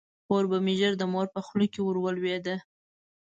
خور به مې ژر د مور په خوله کې ور ولویده.